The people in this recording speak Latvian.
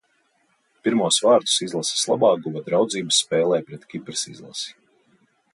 Pirmos vārtus izlases labā guva draudzības spēlē pret Kipras izlasi.